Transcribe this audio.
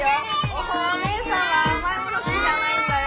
もうお姉さんは甘い物好きじゃないんだよ。